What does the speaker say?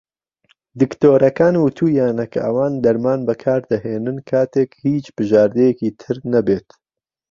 دکتۆرەکان وتوویانە کە ئەوان دەرمان بەکار دەهێنن کاتێک "هیچ بژاردەیەکی تر نەبێت".